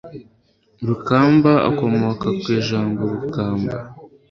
rukamba ikomoka kw'ijambo gukamba